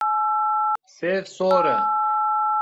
Sêv sor e.